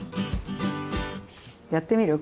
やってみる？